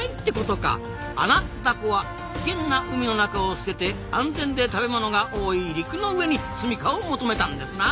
アナダコは危険な海の中を捨てて安全で食べ物が多い陸の上に住みかを求めたんですな。